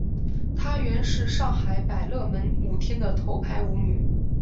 她原是上海百乐门舞厅的头牌舞女。